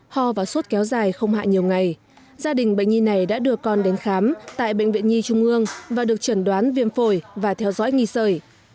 ho và suốt kéo dài không hạ nhiều ngày gia đình bệnh nhi này đã đưa con đến khám tại bệnh viện nhi trung ương và được trần đoán viêm phổi và theo dõi nghi sởi